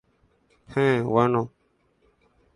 Héẽ, bueno.